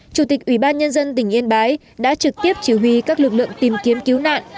chủ tịch ủy ban nhân dân tỉnh yên bái đã trực tiếp chỉ huy các lực lượng tìm kiếm cứu nạn